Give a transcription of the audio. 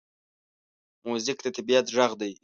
موزیک د طبعیت غږ دی.